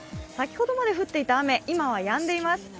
先ほどまで降っていた雨、今はやんでいます。